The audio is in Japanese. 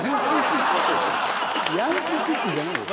ヤンキーチックじゃないよ。